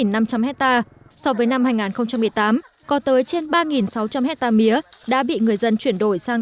năm trăm linh hectare so với năm hai nghìn một mươi tám có tới trên ba sáu trăm linh hectare mía đã bị người dân chuyển đổi sang